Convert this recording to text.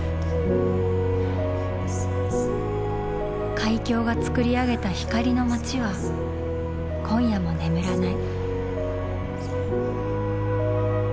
海峡がつくり上げた光の街は今夜も眠らない。